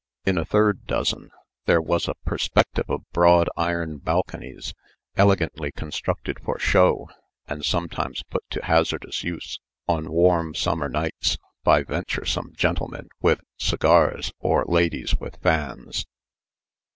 In a third dozen, there was a perspective of broad iron balconies elegantly constructed for show, and sometimes put to hazardous use, on warm summer nights, by venturesome gentlemen with cigars, or ladies with fans.